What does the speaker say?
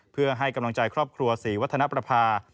เพื่อให้กำลังใจครอบครัวศรีวัฒนประภา